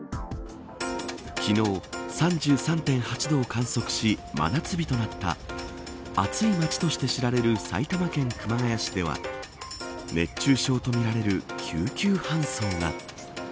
昨日、３３．８度を観測し真夏日となった暑い街として知られる埼玉県熊谷市では熱中症とみられる救急搬送が。